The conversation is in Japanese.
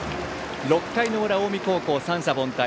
６回の裏、近江高校、三者凡退。